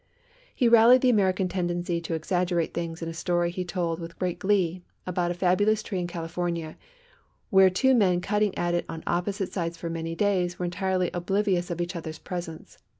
He rallied the American tendency to exaggerate things in a story he told with great glee, about a fabulous tree in California, where two men cutting at it on opposite sides for many days were entirely oblivious of each other's presence.